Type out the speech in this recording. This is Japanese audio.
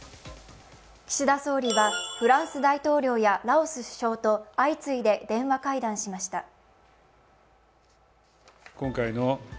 岸田総理はフランス大統領やラオス首相と相次いで電話会談しました。